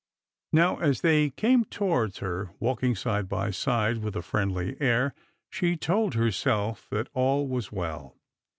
Now, as they came towards her walking side by side with a friendly air, she told herself that all was well.